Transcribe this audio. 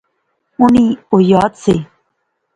انیں او یاد سے